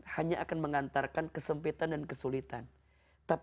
hanya akan mengambil kebencian kita